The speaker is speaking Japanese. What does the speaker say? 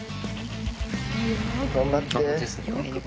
頑張って。